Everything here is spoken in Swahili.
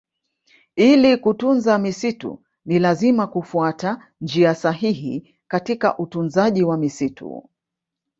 Ili kutunza misitu ni lazima kufuata njia sahihi katika utunzaji wa misitu